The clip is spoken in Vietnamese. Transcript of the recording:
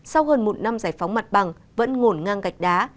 sau hơn một năm giải phóng mặt bằng vẫn ngổn ngang gạch đá